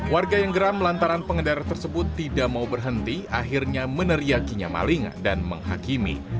warga yang geram lantaran pengendara tersebut tidak mau berhenti akhirnya meneriakinya maling dan menghakimi